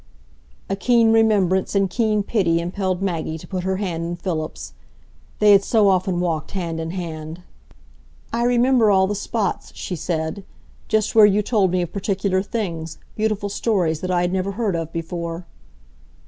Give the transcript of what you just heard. A keen remembrance and keen pity impelled Maggie to put her hand in Philip's. They had so often walked hand in hand! "I remember all the spots," she said,—"just where you told me of particular things, beautiful stories that I had never heard of before."